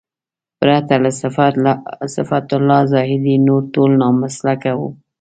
پرته له صفت الله زاهدي نور ټول نامسلکه وو.